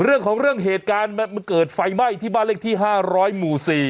เรื่องของเรื่องเหตุการณ์มันเกิดไฟไหม้ที่บ้านเลขที่๕๐๐หมู่๔